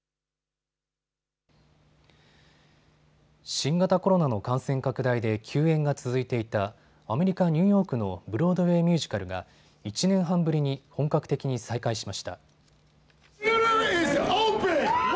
新型コロナの感染拡大で休演が続いていたアメリカ・ニューヨークのブロードウェイミュージカルが１年半ぶりに本格的に再開しました。